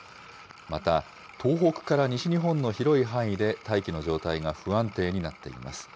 また、東北から西日本の広い範囲で、大気の状態が不安定になっています。